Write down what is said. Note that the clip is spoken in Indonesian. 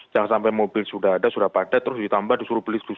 jangan sampai mobil sudah ada sudah padat terus ditambah disuruh beli tujuh